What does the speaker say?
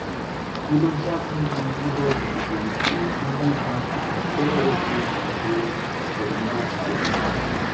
Nie ma żadnych wątpliwości, że musimy nadal walczyć z terroryzmem z pełną determinacją